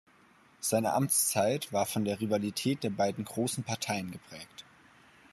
Seine Amtszeit war von der Rivalität der beiden großen Parteien geprägt.